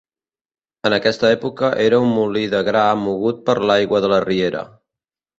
En aquesta època era un molí de gra mogut per l'aigua de la riera.